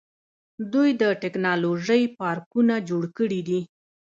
دوی د ټیکنالوژۍ پارکونه جوړ کړي دي.